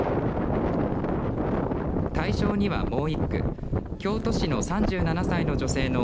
大賞にはもう一句京都市の３７歳の女性の